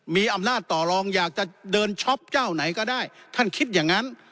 มีอำนาจต่อรองอยากจะเดินช็อปเจ้าไหนก็ได้ท่านคิดอย่างนั้น